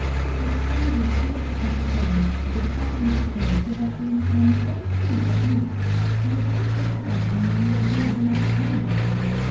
The strangers innocently supposed the departed Mr. K. to have been an M.P. at least, and were rather taken aback on learning that he had been a pawnbroker.